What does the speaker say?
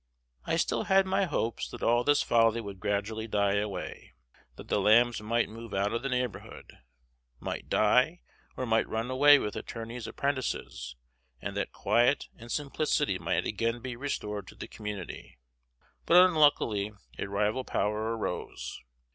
I still had my hopes that all this folly would gradually die away, that the Lambs might move out of the neighborhood, might die, or might run away with attorneys' apprentices, and that quiet and simplicity might be again restored to the community. But unluckily a rival power arose.